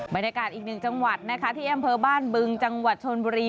บรรยากาศอีกหนึ่งจังหวัดนะคะที่อำเภอบ้านบึงจังหวัดชนบุรี